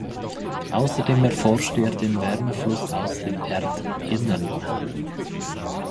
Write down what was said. Außerdem erforschte er den Wärmefluss aus dem Erdinnern.